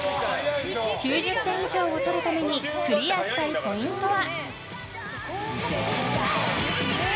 ９０点以上をとるためにクリアしたいポイントは。